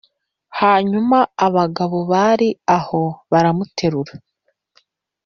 hanyuma abagabo bari aho baramuterura